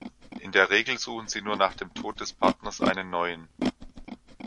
In der Regel suchen sie nur nach dem Tod des Partners einen neuen.